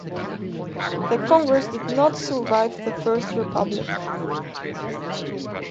The congress did not survive the First Republic.